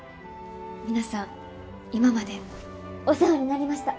皆さん今までお世話になりました。